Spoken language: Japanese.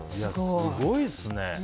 すごいですね。